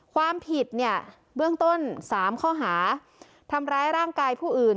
ความผิดเนี่ยเบื้องต้น๓ข้อหาทำร้ายร่างกายผู้อื่น